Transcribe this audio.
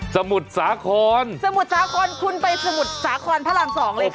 มุทรสาครสมุทรสาครคุณไปสมุทรสาครพระราม๒เลยค่ะ